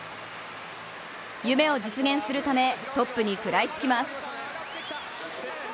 夢を実現するためトップに食らいつきます。